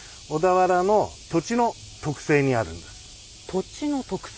土地の特性？